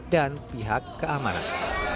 dan pihak keamanan